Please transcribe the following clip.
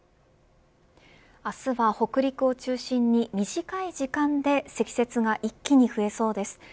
明日は北陸を中心に短い時間で積雪が一気に増えそうです。